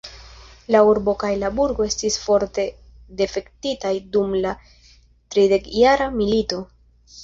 La urbo kaj la burgo estis forte difektitaj dum la tridekjara milito.